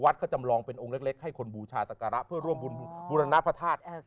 วัดก็จำลองเป็นองค์เล็กให้คนบูชาตะการะเพื่อร่วมบุรณพระทาส